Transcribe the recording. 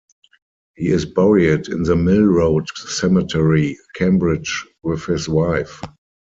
He is buried in the Mill Road Cemetery, Cambridge, with his wife.